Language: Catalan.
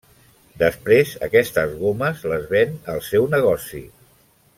Després aquestes gomes les ven al seu negoci.